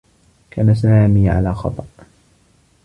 كان سامي على خطأ.